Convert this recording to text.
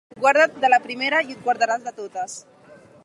Guarda't de la primera i et guardaràs de totes.